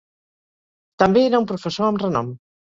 També era un professor amb renom.